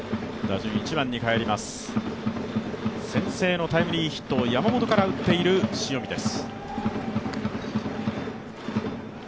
先制のタイムリーヒットを山本から打っている塩見です。